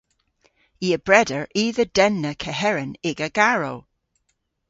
I a breder i dhe denna keheren y'ga garrow.